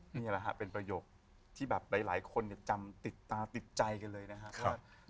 นี่แหละฮะเป็นประโยคที่แบบหลายคนจำติดตาติดใจกันเลยนะครับ